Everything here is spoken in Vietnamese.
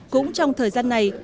cũng trong thời gian này